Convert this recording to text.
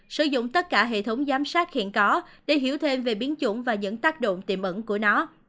sử dụng tất cả hệ thống giám sát hiện có để hiểu thêm về biến chủng và những tác động tiềm ẩn của nó